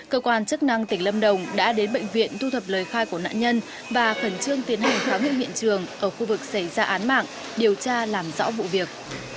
cơ quan chức năng tỉnh lâm đồng đã đến bệnh viện thu thập lời khai của nạn nhân và khẩn trương tiến hành khám nghiệm hiện trường ở khu vực xảy ra án mạng điều tra làm rõ vụ việc